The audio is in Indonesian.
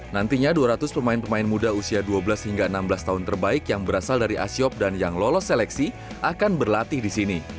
nantinya dua ratus pemain pemain muda usia dua belas hingga enam belas tahun terbaik yang berasal dari asiop dan yang lolos seleksi akan berlatih di sini